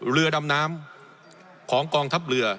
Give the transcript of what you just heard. เรือดำน้ำของกองทัพเรือ